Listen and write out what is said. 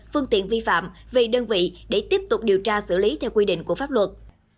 phương tiện vi phạm về đơn vị để tiếp tục điều tra xử lý theo quy định của pháp luật